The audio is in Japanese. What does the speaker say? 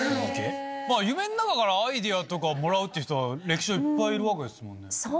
夢の中からアイデアとかもらうっていう人は歴史上いっぱいいるわけですもんね。